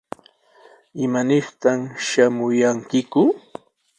¿Imanirtaq shamuyankiku?